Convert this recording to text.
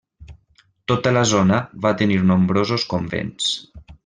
Tota la zona va tenir nombrosos convents.